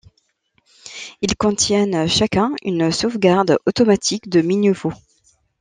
Ils contiennent chacun une sauvegarde automatique de mi-niveau.